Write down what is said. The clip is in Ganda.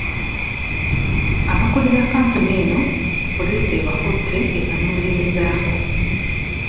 Abakulira kkampuni eno, poliisi ebakutte ebanoonyerezeeko.